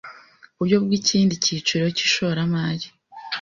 uburyo bw’ikindi kiciro k’ishoramari